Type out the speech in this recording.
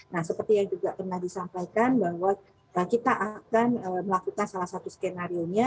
nah seperti yang juga pernah disampaikan bahwa kita akan melakukan salah satu skenario nya